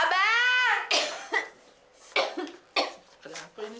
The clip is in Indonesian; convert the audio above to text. ada apa ini